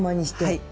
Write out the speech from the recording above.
はい。